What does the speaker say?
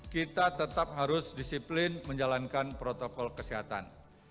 kita tetap harus disiplin menjalankan protokol kesehatan